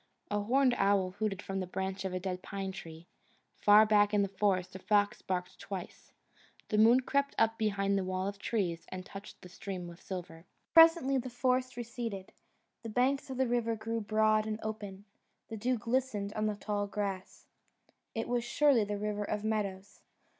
A horned owl hooted from the branch of a dead pine tree; far back in the forest a fox barked twice. The moon crept up behind the wall of trees and touched the stream with silver. Presently the forest receded: the banks of the river grew broad and open; the dew glistened on the tall grass; it was surely the River of Meadows.